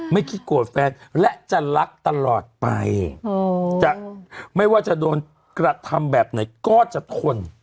คิดโกรธแฟนและจะรักตลอดไปจะไม่ว่าจะโดนกระทำแบบไหนก็จะทน